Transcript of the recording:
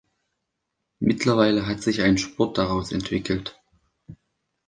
Mittlerweile hat sich ein Sport daraus entwickelt.